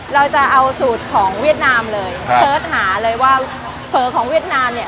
เราจะเอาสูตรของเวียดนามเลยเสิร์ชหาเลยว่าเผลอของเวียดนามเนี่ย